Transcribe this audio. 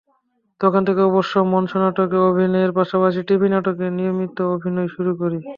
তখন থেকে অবশ্য মঞ্চনাটকে অভিনয়ের পাশাপাশি টিভি নাটকে নিয়মিত অভিনয় শুরু করি।